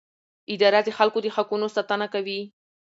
اداره د خلکو د حقونو ساتنه کوي.